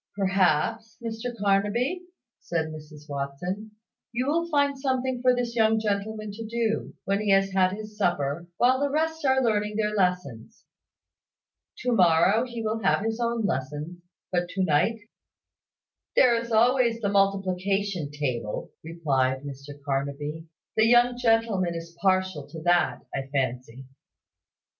"Perhaps, Mr Carnaby," said Mrs Watson, "you will find something for this young gentleman to do, when he has had his supper, while the rest are learning their lessons. To morrow he will have his own lessons; but to night " "There is always the multiplication table," replied Mr Carnaby. "The young gentleman is partial to that, I fancy."